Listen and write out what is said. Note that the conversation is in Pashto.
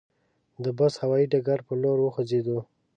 د بُست هوایي ډګر پر لور وخوځېدو.